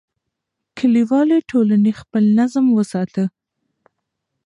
کلیوالي ټولنې خپل نظم وساته.